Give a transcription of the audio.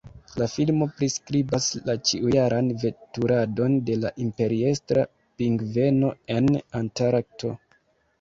La filmo priskribas la ĉiujaran veturadon de la Imperiestra pingveno en Antarkto.